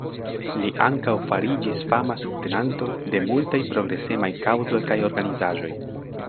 Li ankaŭ fariĝis fama subtenanto de multaj progresemaj kaŭzoj kaj organizaĵoj.